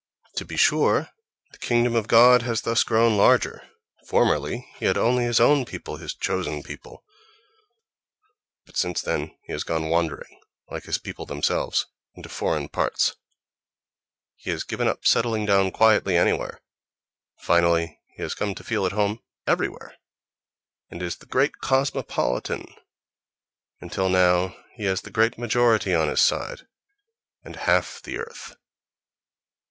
—To be sure, the "kingdom of God" has thus grown larger. Formerly he had only his own people, his "chosen" people. But since then he has gone wandering, like his people themselves, into foreign parts; he has given up settling down quietly anywhere; finally he has come to feel at home everywhere, and is the great cosmopolitan—until now he has the "great majority" on his side, and half the earth.